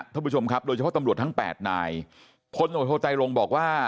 ท่านผู้ชมครับโดยเฉพาะตำรวจทั้ง๘นายพลโนโทไตรลงบอกว่า